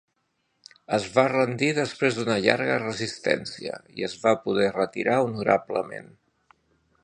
Es va rendir després d'una llarga resistència, i es va poder retirar honorablement.